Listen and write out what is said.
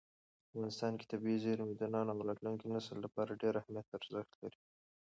افغانستان کې طبیعي زیرمې د نن او راتلونکي نسلونو لپاره ډېر زیات ارزښت لري.